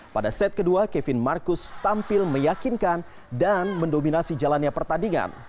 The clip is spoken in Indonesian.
pada set kedua kevin marcus tampil meyakinkan dan mendominasi jalannya pertandingan